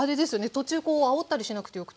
途中こうあおったりしなくてよくて。